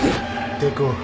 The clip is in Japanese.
テイクオフ。